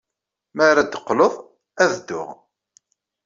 Mi ara d-teqqel, ad dduɣ.